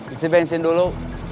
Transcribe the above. isi bensin dulu